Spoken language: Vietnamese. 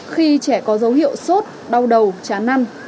khi trẻ có dấu hiệu sốt đau đầu chán năn